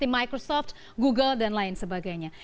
microsoft google dan lain sebagainya